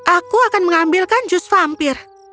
aku akan mengambilkan jus vampir